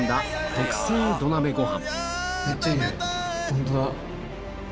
特製土鍋ご飯